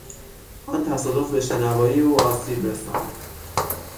آن تصادف به شنوایی او آسیب رساند.